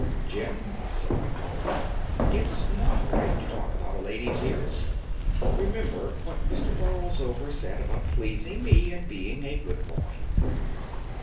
"Jim," said my father, "it's not right to talk about a lady's ears. Remember what Mr. Borlsover said about pleasing me and being a good boy."